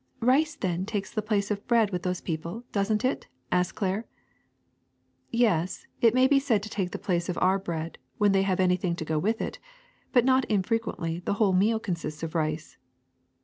'^ ^'Rice, then, takes the place of bread with those people, doesn't it?" asked Claire. Yes, it may be said to take the place of our bread when they have anything to go with it ; but not in frequently the whole meal consists of rice.''